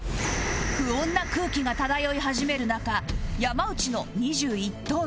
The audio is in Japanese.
不穏な空気が漂い始める中山内の２１投目